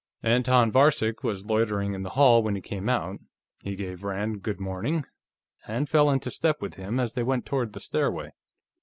Anton Varcek was loitering in the hall when he came out; he gave Rand good morning, and fell into step with him as they went toward the stairway.